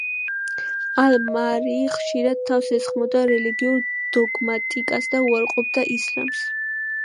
ალ-მაარი ხშირად თავს ესხმოდა რელიგიურ დოგმატიკას და უარყოფდა ისლამს.